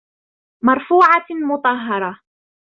مَرْفُوعَةٍ مُطَهَّرَةٍ